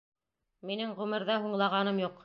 Минең ғүмерҙә һуңлағаным юҡ!